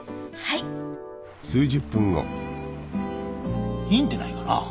いいんでないかな。